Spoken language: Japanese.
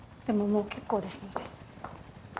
でももう結構ですので。